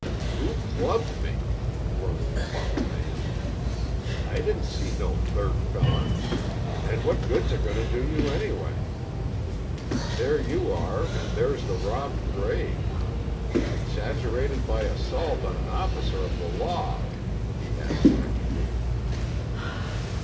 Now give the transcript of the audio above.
"Who clubbed me?" groaned the fallen man. "I didn't see no third feller. And what good's it going to do you, anyway? There you are, and there's the robbed grave. Exaggerated by assault on an officer of the law," he added technically.